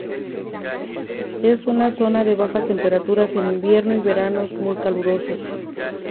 Es una zona de bajas temperaturas en invierno y veranos muy calurosos.